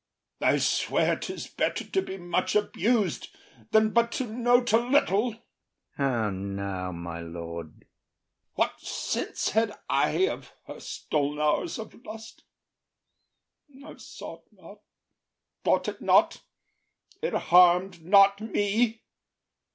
I swear ’tis better to be much abus’d Than but to know’t a little. IAGO. How now, my lord? OTHELLO. What sense had I of her stol’n hours of lust? I saw’t not, thought it not, it harm’d not me.